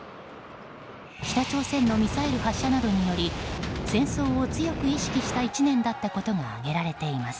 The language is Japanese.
北朝鮮のミサイル発射などにより戦争を強く意識した１年だったことが挙げられています。